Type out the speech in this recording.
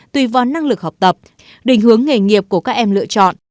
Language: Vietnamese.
tùy vào năng lực học tập định hướng nghề nghiệp của các em lựa chọn